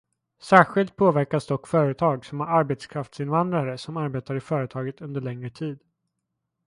Särskilt påverkas dock företag som har arbetskraftsinvandrare som arbetar i företaget under längre tid.